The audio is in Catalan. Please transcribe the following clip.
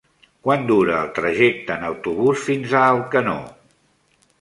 Quant dura el trajecte en autobús fins a Alcanó?